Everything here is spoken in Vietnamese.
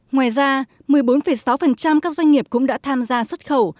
ngoài ra một mươi bốn sáu các doanh nghiệp cũng đã tham gia xuất khẩu